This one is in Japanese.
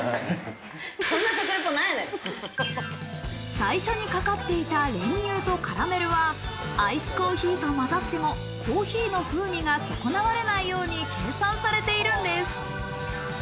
最初にかかっていた練乳とカラメルは、アイスコーヒーと混ざってもコーヒーの風味が損なわれないように計算されているんです。